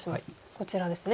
こちらですね。